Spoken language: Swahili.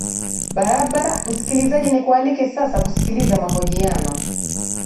barabara msikilizaji nikualike sasa kusikiliza mahojiano